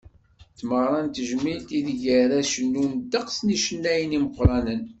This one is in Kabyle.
D tameɣra n tejmilt, ideg ara cennun ddeqs n yicennayen imeqqranen.